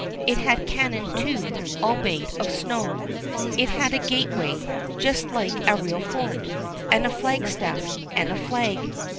It had cannon too, all made of snow. It had a gateway, just like a real fort, and a flag staff, and a flag.